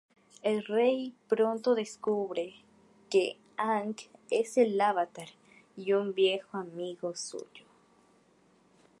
El Rey pronto descubre que Aang es el Avatar y un viejo amigo suyo.